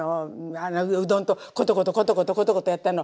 うどんとコトコトコトコトコトコトやったの。